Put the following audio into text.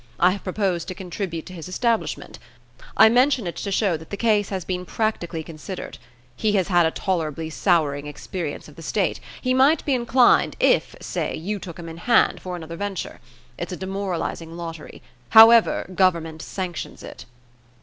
I have proposed to contribute to his establishment. I mention it to show that the case has been practically considered. He has had a tolerably souring experience of the state; he might be inclined if, say, you took him in hand, for another venture. It's a demoralizing lottery. However, Government sanctions it."